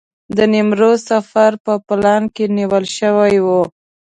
د نیمروز سفر په پلان کې نیول شوی و.